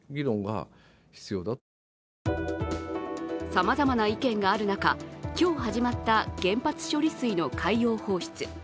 さまざまな意見がある中、今日始まった原発処理水の海洋放出。